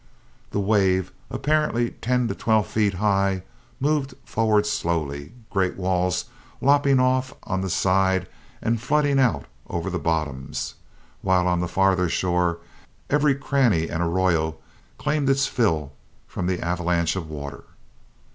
The wave, apparently ten to twelve feet high, moved forward slowly, great walls lopping off on the side and flooding out over the bottoms, while on the farther shore every cranny and arroyo claimed its fill from the avalanche of water.